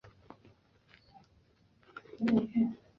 在历史上波普勒曾是米德塞克斯的一部分。